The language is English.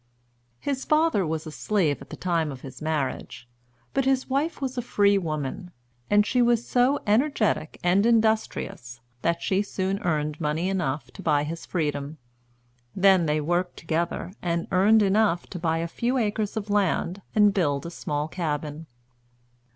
His father was a slave at the time of his marriage, but his wife was a free woman; and she was so energetic and industrious, that she soon earned money enough to buy his freedom. Then they worked together, and earned enough to buy a few acres of land, and build a small cabin.